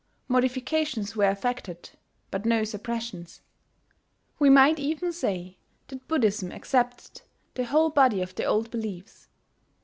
Modifications were effected, but no suppressions: we might even say that Buddhism accepted the whole body of the old beliefs.